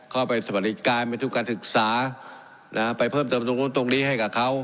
เข้าไปสวัสดิการไปทุบการศึกษาไปเพิ่มเติมตรงนู้นตรงนี้ให้กับเขา